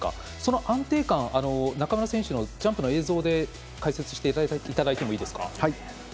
安定感、中村選手のジャンプの映像で解説していただいてもいいですか。